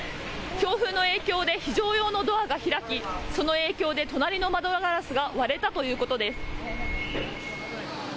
強風の影響で非常用のドアが開きその影響で隣の窓ガラスが割れたということです。